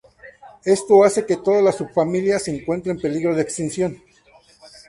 Esto hace que toda la subfamilia se encuentre en peligro de extinción.